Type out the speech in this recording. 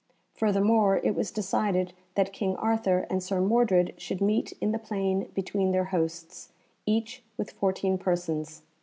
Furthermore, it was decided that King Arthur and Sir Mordred should meet in the plain between their hosts, each with fourteen persons.